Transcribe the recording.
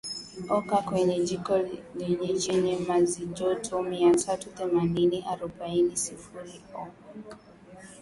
oka kwenye jiko lenye chenye nyuzijoto mia tatu themanini arobaini sifuri oF